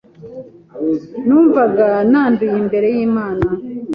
Numvaga nanduye imbere y’Imana,